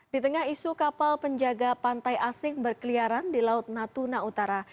di tengah isu kapal penjaga pantai asing berkeliaran di laut natuna utara